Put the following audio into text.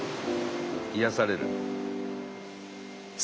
癒やされる。